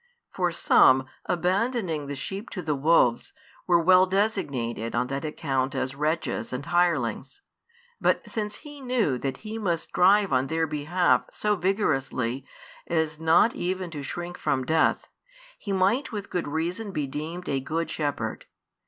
For some, abandoning the sheep to the wolves, were well designated on that account as wretches and hirelings; but since He knew that He must strive on their behalf so vigorously as not even to shrink from death, He might with good reason be deemed a Good Shepherd.